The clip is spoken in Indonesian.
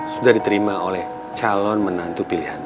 sudah diterima oleh calon menantu pilihan